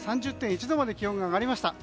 ３０．１度まで気温が上がりました。